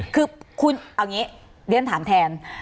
คือคุณเอาอย่างนี้เรียนถามแทน